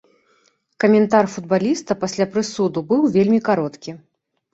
Каментар футбаліста пасля прысуду быў вельмі кароткі.